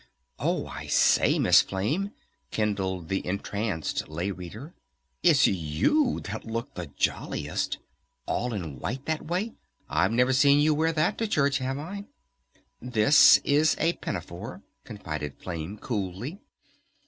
"Oh, I say, Miss Flame," kindled the entranced Lay Reader, "it's you that look the jolliest! All in white that way! I've never seen you wear that to church, have I?" "This is a pinafore," confided Flame coolly.